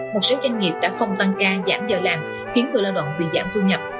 một số doanh nghiệp đã không tăng ca giảm giờ làm khiến người lao động bị giảm thu nhập